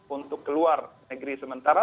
untuk keluar negeri sementara